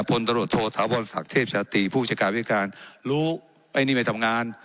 พลตรวจโทษาวรศักดิ์เทพชาตรีผู้จัดการวิการรู้ไอ้นี่ไม่ทำงาน